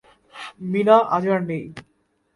মিনা আজ আর নেই।